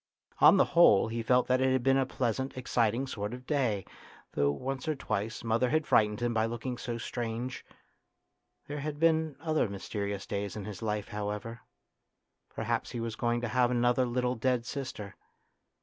On the whole he felt that it had been a pleasant, exciting sort of day, though once or twice mother had frightened him by looking so strange. A TRAGEDY IN LITTLE 93 There had been other mysterious days in his life, however; perhaps he was going to have another little dead sister.